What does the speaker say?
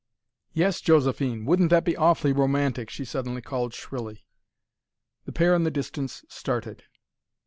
"Yes, Josephine, WOULDN'T that be AWFULLY ROMANTIC!" she suddenly called shrilly. The pair in the distance started.